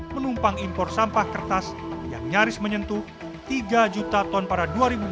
menumpang impor sampah kertas yang nyaris menyentuh tiga juta ton pada dua ribu dua puluh